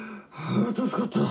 あ助かった。